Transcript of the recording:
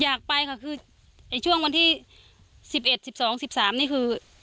อยากไปค่ะคือไอ้ช่วงวันที่สิบเอ็ดสิบสองสิบสามนี่คือ